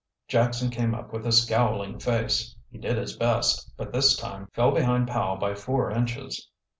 Jackson came up with a scowling face. He did his best, but this time fell behind Powell by four inches.